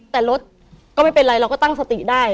แต่รถก็ไม่เป็นไรเราก็ตั้งสติได้